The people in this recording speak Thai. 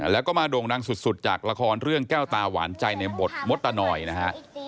แล้วก็มาโด่งดังสุดจากละครเรื่องแก้วตาหวานใจในบทมดตะนอยนะฮะ